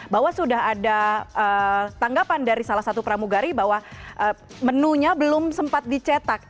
bahwa sudah ada tanggapan dari salah satu pramugari bahwa menunya belum sempat dicetak